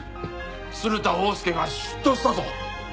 鶴田翁助が出頭したぞ！